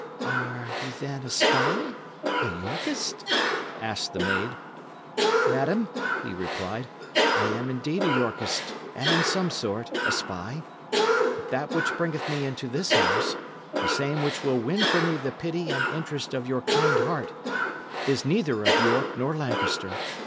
"Are ye, then, a spy a Yorkist?" asked the maid. "Madam," he replied, "I am indeed a Yorkist, and, in some sort, a spy. But that which bringeth me into this house, the same which will win for me the pity and interest of your kind heart, is neither of York nor Lancaster.